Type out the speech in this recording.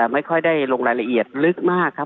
ไม่ได้หมายถึงว่านิ